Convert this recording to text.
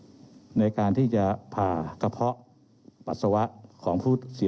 เรามีการปิดบันทึกจับกลุ่มเขาหรือหลังเกิดเหตุแล้วเนี่ย